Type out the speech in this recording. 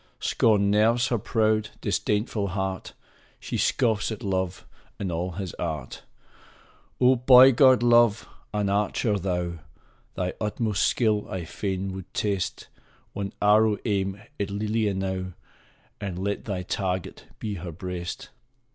Scorn nerves her proud, disdainful heart ! She scoffs at Love and all his art ! Oh, boy god, Love ! An archer thou ! Thy utmost skill I fain would test ; One arrow aim at Lelia now, And let thy target be her breast